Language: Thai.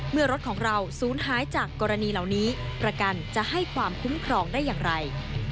เมื่อรถของเราศูนย์หายจากกรณีเหล่านี้ประกันจะให้ความคุ้มครองได้อย่างไร